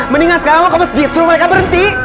mendingan sekarang ke masjid suruh mereka berhenti